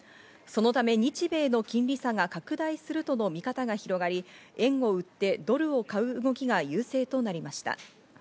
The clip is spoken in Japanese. そのため、日米の金利差が拡大するとの見方が広がり、円を売って、ドルを買う動きが優勢となりました。